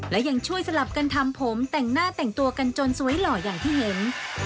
และยังช่วยสลับกันทำผมแต่งหน้าแต่งตัวกันจนสวยหล่ออย่างที่เห็น